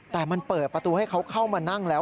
แต่มันเปิดประตูให้เขาเข้ามานั่งแล้ว